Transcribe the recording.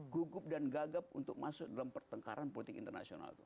gugup dan gagap untuk masuk dalam pertengkaran politik internasional itu